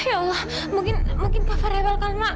ayolah mungkin papa rebel karena